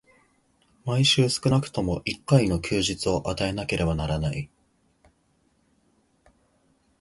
毎週少くとも一回の休日を与えなければならない。